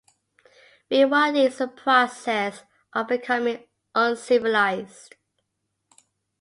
Rewilding is the process of becoming uncivilized.